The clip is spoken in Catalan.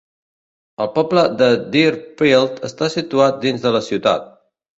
El poble de Deerfield està situat dins de la ciutat.